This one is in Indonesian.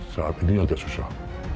saat ini agak susah